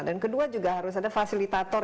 dan kedua juga harus ada fasilitator